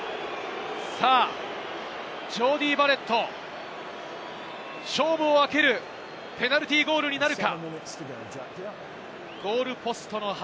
さぁ、ジョーディー・バレット、勝負を分けるペナルティーゴールになるか？